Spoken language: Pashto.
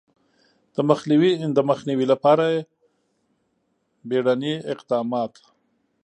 د مخنیوي لپاره بیړني اقدامات